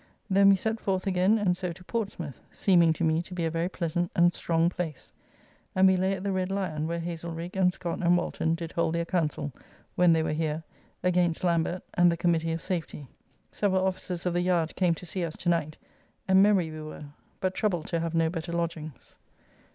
Then we set forth again, and so to Portsmouth, seeming to me to be a very pleasant and strong place; and we lay at the Red Lyon, where Haselrigge and Scott and Walton did hold their councill, when they were here, against Lambert and the Committee of Safety. Several officers of the Yard came to see us to night, and merry we were, but troubled to have no better lodgings.